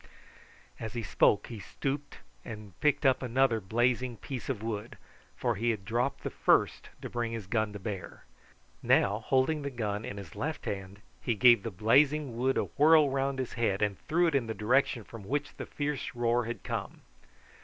As he spoke he stooped and picked up another blazing piece of wood, for he had dropped the first to bring his gun to bear. Now, holding the gun in his left hand, he gave the blazing wood a whirl round his head and threw it in the direction from which the fierce roar had come.